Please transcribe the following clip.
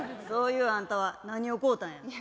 そういうあんたは何を買うたんや？